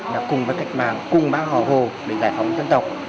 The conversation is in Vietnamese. là cùng với cách màng cùng bác hò hồ để giải phóng dân tộc